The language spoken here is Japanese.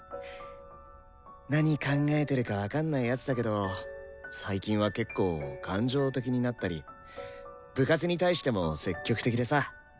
なに考えてるか分かんない奴だけど最近はけっこう感情的になったり部活に対しても積極的でさ。